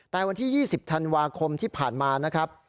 แต่วันที่๒๐ธันวาคมที่ผ่านมานะครับ